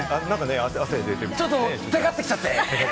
ちょっとテカってきちゃって。